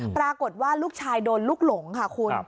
ปรากฏว่าลูกชายโดนลูกหลงค่ะคุณ